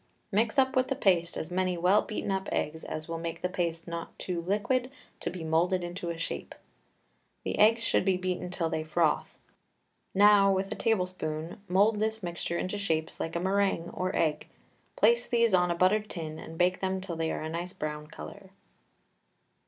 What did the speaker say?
Mix up with the paste as many well beaten up eggs as will make the paste not too liquid to be moulded into a shape. The eggs should be beaten till they froth. Now, with a tablespoon, mould this mixture into shapes like a meringue or egg; place these on a buttered tin and bake them till they are a nice brown colour.